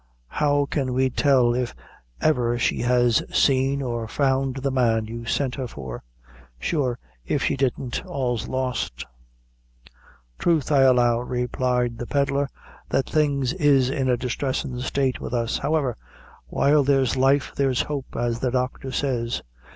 How can we tell if ever she has seen or found the man you sent her for? Sure, if she didn't, all's lost." "Throth, I allow," replied the pedlar, "that things is in a distressin' state with us; however, while there's life there's hope, as the Doctor says.